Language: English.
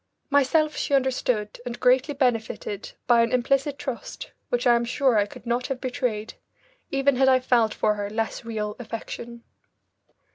Myself she understood and greatly benefited by an implicit trust which I am sure I could not have betrayed, even had I felt for her less real affection.